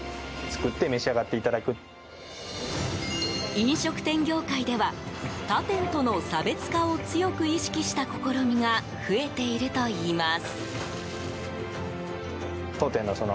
飲食店業界では他店との差別化を強く意識した試みが増えているといいます。